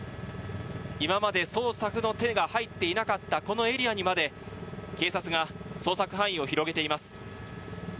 今まで捜索の手が入っていなかったこのエリアにまで警察が捜索範囲を広げています。